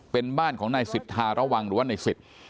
เป็นบ้านของนายศิษฐาระวังหรือว่านายศิษฐ์